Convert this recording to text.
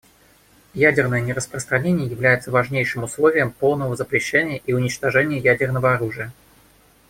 Ядерное нераспространение является важнейшим условием полного запрещения и уничтожения ядерного оружия.